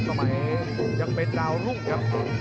ต่อมาเองยังเป็นดาวรุ่งครับ